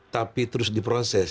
tapi terus diproses